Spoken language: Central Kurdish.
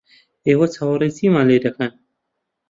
ئێوە چاوەڕێی چیمان لێ دەکەن؟